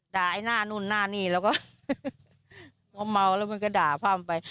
ไอ้หน้านู่นหน้านี่แล้วก็พอเมาแล้วมันก็ด่าพ่ำไป